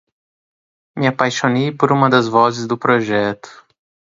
Me apaixonei por uma das vozes do projeto